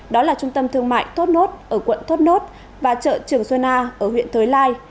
đó là trung tâm thương mại thốt nốt ở quận thốt nốt và chợ trường xuân a ở huyện thới lai